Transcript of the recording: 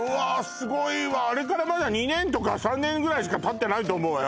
すごいわあれからまだ２年とか３年ぐらいしかたってないと思うわよ